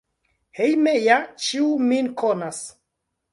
Hejme ja ĉiu min konas.